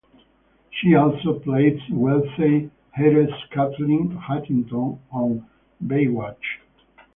She also played wealthy heiress Kathleen Huntington on "Baywatch".